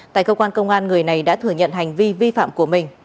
tại cơ quan công an người này đã thừa nhận hành vi vi phạm của mình